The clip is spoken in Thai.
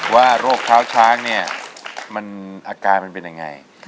ว่าโรคเท้าช้างเนี่ยมันอาการมันเป็นยังไง